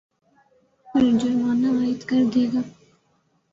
پر جرمانہ عاید کردے گا